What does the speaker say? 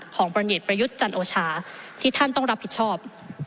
ของพนิกประยุทธ์จันทรศ์โอชาที่ท่านต้องรับผิดชอบ